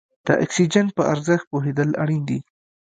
د اکسیجن په ارزښت پوهېدل اړین دي.